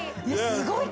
すごい。